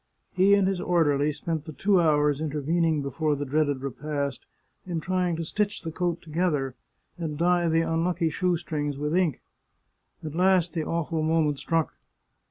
He and his orderly spent the two hours intervening before the dreaded repast in trying to stitch the coat together, and dye the unlucky shoe strings with ink. At last the awful moment struck.